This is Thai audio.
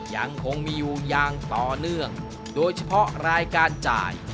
ยังคงมีอยู่อย่างต่อเนื่องโดยเฉพาะรายการจ่าย